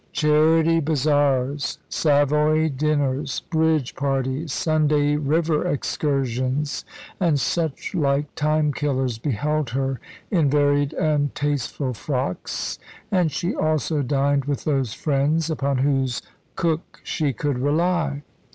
Charity bazaars, Savoy dinners, bridge parties, Sunday river excursions, and such like time killers beheld her in varied and tasteful frocks, and she also dined with those friends upon whose cook she could rely.